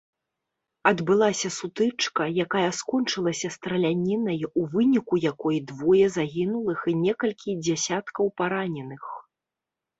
Адбылася сутычка, якая скончылася стралянінай, у выніку якой двое загінулых і некалькі дзесяткаў параненых.